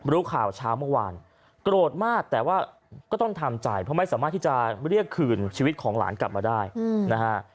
รู้ข่าวเช้าเมื่อวานโกรธมากแต่ว่าก็ต้องทำใจเพราะไม่สามารถที่จะเรียกคืนชีวิตของหลานกลับมาได้นะฮะ